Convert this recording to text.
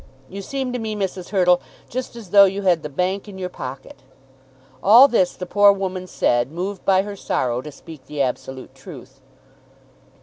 You seem to me, Mrs. Hurtle, just as though you had the bank in your pocket." All this the poor woman said, moved by her sorrow to speak the absolute truth.